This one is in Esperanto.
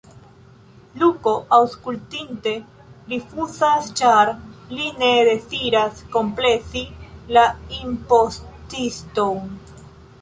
Luko, aŭskultinte, rifuzas, ĉar li ne deziras komplezi la impostiston.